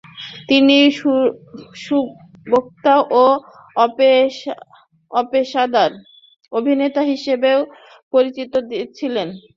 তিনি সুবক্তা ও অপেশাদার অভিনেতা হিসেবেও পরিচিত ছিলেন।